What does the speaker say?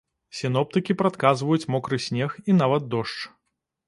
Сіноптыкі прадказваюць мокры снег і нават дождж.